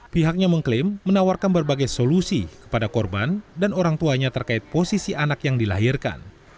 pihaknya mengklaim menawarkan berbagai solusi kepada korban dan orang tuanya terkait posisi anak yang dilahirkan